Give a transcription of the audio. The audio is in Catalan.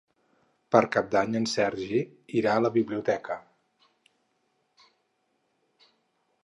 Per Cap d'Any en Sergi irà a la biblioteca.